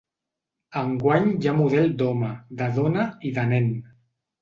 Enguany hi ha model d’home, de dona i de nen.